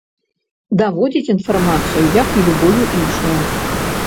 Даводзіць інфармацыю, як і любую іншую.